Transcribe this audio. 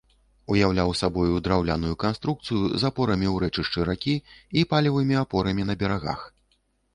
Уяўляў сабой драўляную канструкцыю з апорамі ў рэчышчы ракі і палевымі апорамі на берагах.